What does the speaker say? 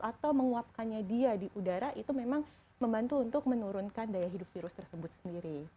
atau menguapkannya dia di udara itu memang membantu untuk menurunkan daya hidup virus tersebut sendiri